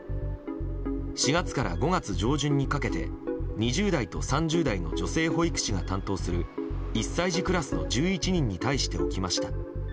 ４月から５月上旬にかけて２０代と３０代の女性保育士が担当する１歳児クラスの１１人に対して起きました。